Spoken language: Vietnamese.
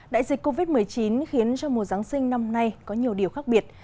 đại dịch covid một mươi chín khiến cho mùa giáng sinh năm nay có nhiều điều khác biệt